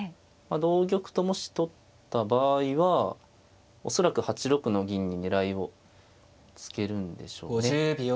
同玉ともし取った場合は恐らく８六の銀に狙いをつけるんでしょうね。